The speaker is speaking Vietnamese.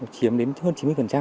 chiếm đến hơn chín mươi